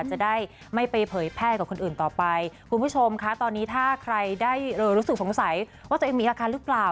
จะได้ไม่ไปเผยแพร่กับคนอื่นต่อไปคุณผู้ชมคะตอนนี้ถ้าใครได้รู้สึกสงสัยว่าตัวเองมีอาการหรือเปล่า